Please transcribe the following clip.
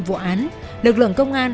vụ án lực lượng công an